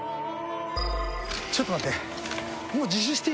ちょっと待って。